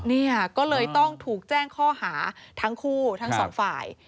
เนี่ยก็เลยต้องถูกแจ้งข้อหาทั้งคู่ทั้งสองฝ่าย